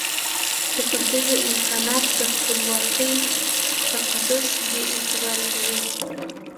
د پردیو امکانات د خپلواکۍ تقدس بي اعتباره کوي.